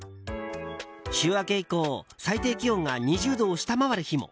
週明け以降最低気温が２０度を下回る日も。